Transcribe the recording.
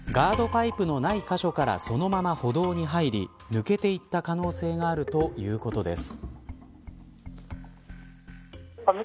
パイプのない箇所からそのまま歩道に入り抜けていった可能性があるということです。